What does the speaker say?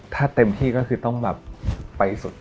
ถ้าเต็มที่ก็คือต้องแบบไปสุด